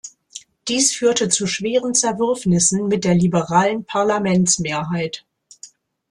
Dies führte zu schweren Zerwürfnissen mit der liberalen Parlamentsmehrheit.